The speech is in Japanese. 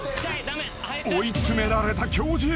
［追い詰められた教授。